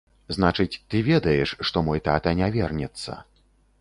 Значыць, ты ведаеш, што мой тата не вернецца.